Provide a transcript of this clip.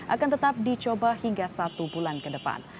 akan tetap dicoba hingga satu bulan ke depan